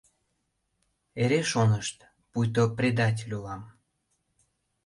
Эре шонышт, пуйто предатель улам: